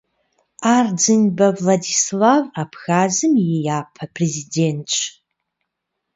Ардзынбэ Владислав Абхъазым и япэ Президентщ.